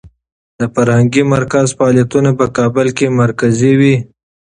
د فرهنګي مرکز فعالیتونه په کابل کې مرکزي و.